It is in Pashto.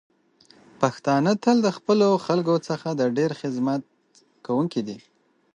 پښتانه تل د خپلو خلکو څخه د ډیر خدمت کوونکی دی.